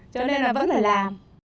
cho nên là vẫn phải làm